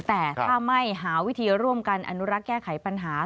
แต่ถ้าไม่หาวิธีร่วมกันอนุรักษ์แก้ไขปัญหา